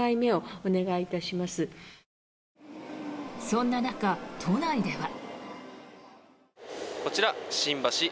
そんな中、都内では。